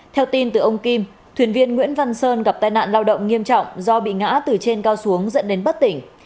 theo tin từ ông kim thuyền viên nguyễn văn sơn gặp tai nạn lao động nghiêm trọng do bị ngã từ trên cao xuống dẫn đến bất tỉnh